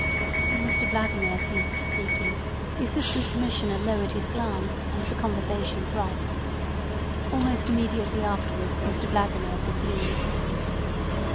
When Mr Vladimir ceased speaking the Assistant Commissioner lowered his glance, and the conversation dropped. Almost immediately afterwards Mr Vladimir took leave.